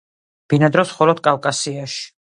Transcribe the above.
ბინადრობს მხოლოდ კავკასიაში.